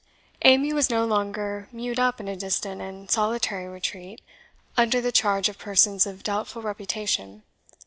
Amy was no longer mewed up in a distant and solitary retreat under the charge of persons of doubtful reputation.